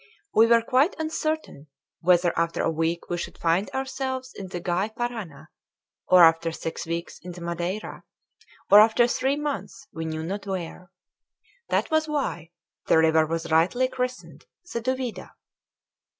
We were quite uncertain whether after a week we should find ourselves in the Gy Parana, or after six weeks in the Madeira, or after three months we knew not where. That was why the river was rightly christened the Duvida.